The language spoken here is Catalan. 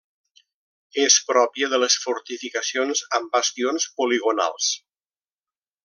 És pròpia de les fortificacions amb bastions poligonals.